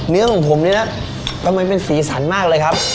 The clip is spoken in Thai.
เนื้อของผมนี่นะทำไมเป็นสีสันมากเลยครับ